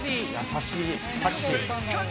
優しい。